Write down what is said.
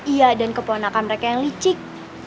ia dan keponakan mereka yang licik